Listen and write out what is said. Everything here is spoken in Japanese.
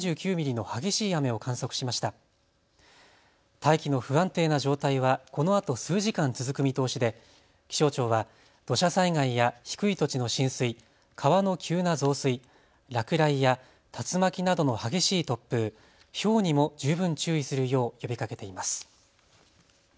大気の不安定な状態はこのあと数時間、続く見通しで気象庁は土砂災害や低い土地の浸水、川の急な増水、落雷や竜巻などの激しい突風、ひょうにも十分注意するよう呼びかけています。